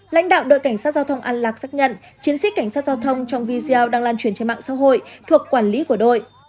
lãnh đạo đội cảnh sát giao thông an lạc xác nhận chiến sĩ cảnh sát giao thông trong video đang lan truyền trên mạng xã hội thuộc quản lý của đội